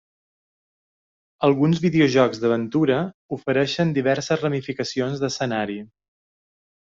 Alguns videojocs d'aventura ofereixen diverses ramificacions d'escenari.